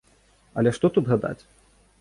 Але што тут гадаць.